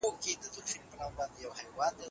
که هر ژباړن د خپلې خوښې له مخې کار وکړي، پایله ښه وي.